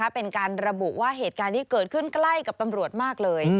เป็นการระบุว่าเหตุการณ์ที่เกิดขึ้นใกล้กับตำรวจมากเลย